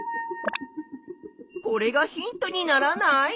これがヒントにならない？